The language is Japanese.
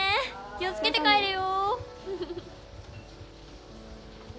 気を付けて帰れよ。